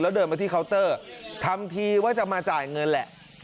แล้วเดินมาที่เคาน์เตอร์ทำทีว่าจะมาจ่ายเงินแหละ